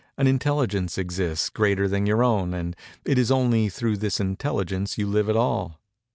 An Intelligence exists greater than your own; and it is only through this Intelligence you live at all."